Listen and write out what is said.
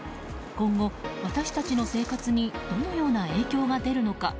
今後、私たちの生活にどのような影響が出るのか。